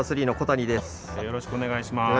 よろしくお願いします。